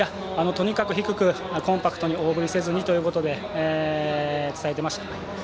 とにかく低くコンパクトに大振りせずにということで伝えていました。